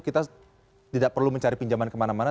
kita tidak perlu mencari pinjaman kemana mana